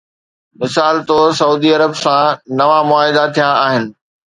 مثال طور سعودي عرب سان نوان معاهدا ٿيا آهن.